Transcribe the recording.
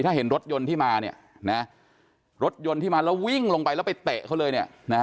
ถ้าเห็นรถยนต์ที่มาเนี่ยนะรถยนต์ที่มาแล้ววิ่งลงไปแล้วไปเตะเขาเลยเนี่ยนะฮะ